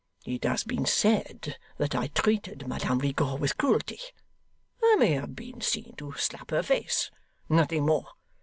It has been said that I treated Madame Rigaud with cruelty. I may have been seen to slap her face nothing more.